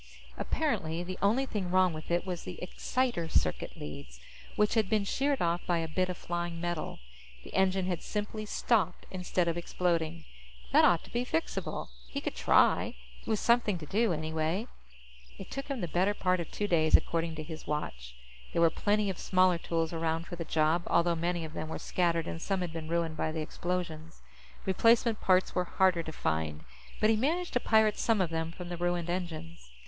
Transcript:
Apparently, the only thing wrong with it was the exciter circuit leads, which had been sheared off by a bit of flying metal. The engine had simply stopped instead of exploding. That ought to be fixable. He could try; it was something to do, anyway. It took him the better part of two days, according to his watch. There were plenty of smaller tools around for the job, although many of them were scattered and some had been ruined by the explosions. Replacement parts were harder to find, but he managed to pirate some of them from the ruined engines.